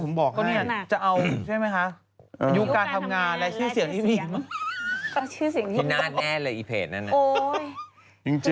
พินาสแน่เลยอีเพจ